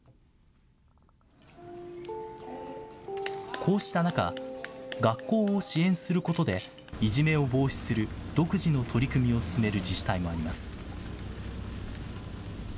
こうした中、学校を支援することで、いじめを防止する独自の取り組みを進める自治体もあります。